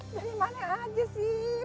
jadi mana aja sih